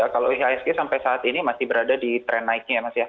kalau ihsg sampai saat ini masih berada di tren naiknya